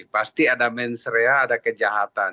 pasti ada mensrea ada kejahatan